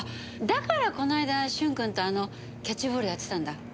だからこの間駿君とキャッチボールやってたんだ。